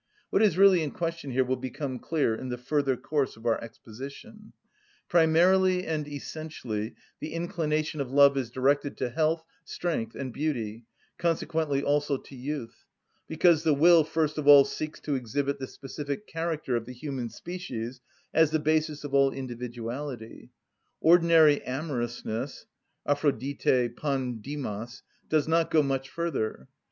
What is really in question here will become clear in the further course of our exposition. Primarily and essentially the inclination of love is directed to health, strength, and beauty, consequently also to youth; because the will first of all seeks to exhibit the specific character of the human species as the basis of all individuality: ordinary amorousness (Αφροδιτη πανδημος) does not go much further.